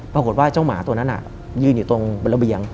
ปรากฏว่าเจ้าหมาตัวนั้นยืนอยู่ตรงระเบียง